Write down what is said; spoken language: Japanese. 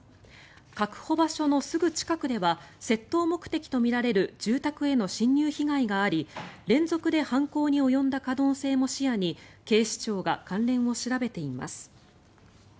確保場所のすぐ近くでは窃盗目的とみられる住民への侵入被害があり連続して犯行に及んだ可能性も視野に警視庁が関連を調べています。